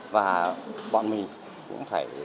và bọn mình cũng phải